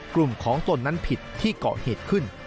กลุ่มของตนนั้นผิดที่เกาะเหตุขึ้น